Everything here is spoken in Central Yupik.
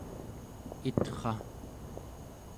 itra!